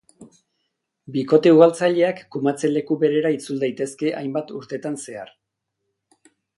Bikote ugaltzaileak kumatze leku berera itzul daitezke hainbat urtetan zehar.